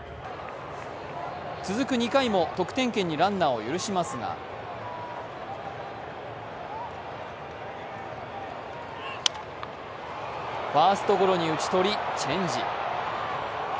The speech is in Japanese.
続く２回も得点圏にランナーを許しますがファーストゴロに打ち取り、チェンジ。